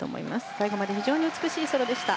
最後まで非常に美しいソロでした。